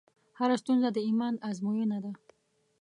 هره ستونزه د ایمان ازموینه ده.